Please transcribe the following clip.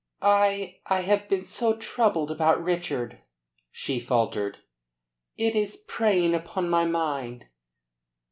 "I I have been so troubled about Richard," she faltered. "It is preying upon my mind."